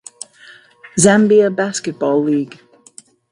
Zambia Basketball League